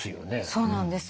そうなんです。